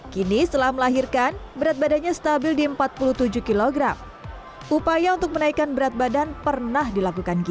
kini setelah melahirkan berat badannya stabil di empat puluh tujuh kg